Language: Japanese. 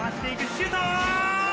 シュート！